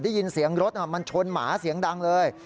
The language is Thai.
ได้ยินเสียงรถมันชนหมาเสียงดังเลย